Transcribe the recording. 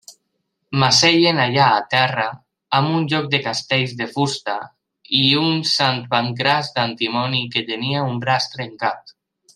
M'asseien allà a terra, amb un joc de castells de fusta i un Sant Pancràs d'antimoni que tenia un braç trencat.